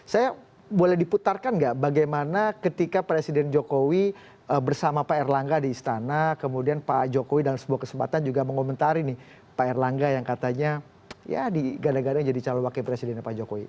saya boleh diputarkan nggak bagaimana ketika presiden jokowi bersama pak erlangga di istana kemudian pak jokowi dalam sebuah kesempatan juga mengomentari nih pak erlangga yang katanya ya digadang gadang jadi calon wakil presidennya pak jokowi